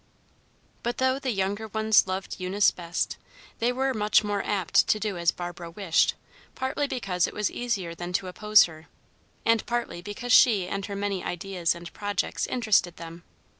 But though the younger ones loved Eunice best, they were much more apt to do as Barbara wished, partly because it was easier than to oppose her, and partly because she and her many ideas and projects interested them.